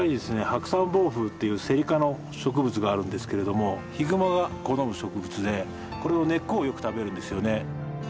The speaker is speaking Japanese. ハクサンボウフウっていうセリ科の植物があるんですけれどもヒグマが好む植物でこれの根っこをよく食べるんですよね。